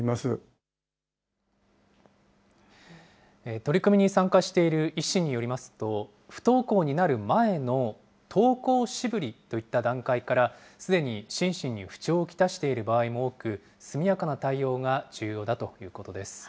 取り組みに参加している医師によりますと、不登校になる前の登校渋りといった段階から、すでに心身に不調を来している場合も多く、速やかな対応が重要だということです。